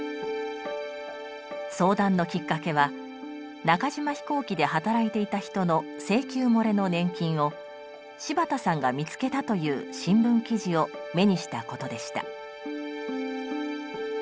相談のきっかけは中島飛行機で働いていた人の請求もれの年金を柴田さんが見つけたという新聞記事を目にしたことでした。